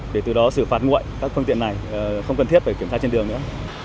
để từ đó xử phạt nguội các phương tiện này không cần thiết phải kiểm tra trên đường nữa